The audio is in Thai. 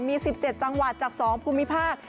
มี๑๗จังหวัดจาก๒ภูมิภาค